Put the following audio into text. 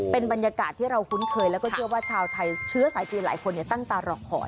เป็นบรรยากาศที่เราคุ้นเคยแล้วก็เชื่อว่าชาวไทยเชื้อสายจีนหลายคนตั้งตารอคอย